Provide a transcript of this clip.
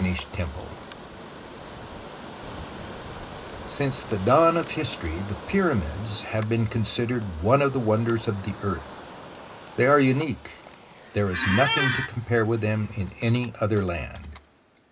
CHAPTER VI SINCE the dawn of history the Pyramids have been considered one of the wonders of the earth. They are unique. There is nothing to compare with them in any other land.